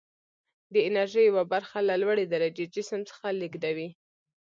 د انرژي یوه برخه له لوړې درجې جسم څخه لیږدوي.